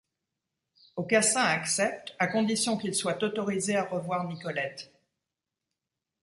Aucassin accepte, à condition qu'il soit autorisé à revoir Nicolette.